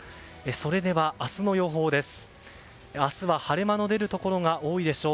それでは明日の予報です。